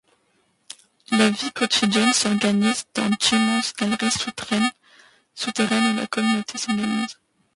La vie quotidienne s'organise dans d'immenses galeries souterraines où la communauté s'organise.